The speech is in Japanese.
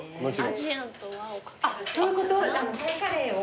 あっそういうこと？